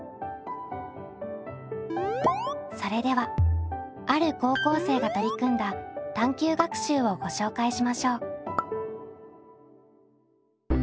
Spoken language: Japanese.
それではある高校生が取り組んだ探究学習をご紹介しましょう。